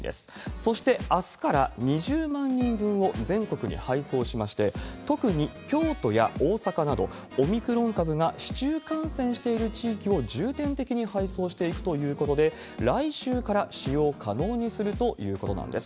そしてあすから２０万人分を全国に配送しまして、特に京都や大阪など、オミクロン株が市中感染している地域を重点的に配送していくということで、来週から使用可能にするということなんです。